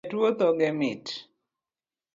Jatuo dhoge mit